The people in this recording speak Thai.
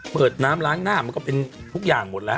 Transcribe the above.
เปิดน้ำล้างหน้าเป็นทุกอย่างหมดแล้ว